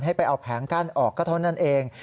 ให้ไปเอาแผงกั้นออกก็เท่านั้นเอง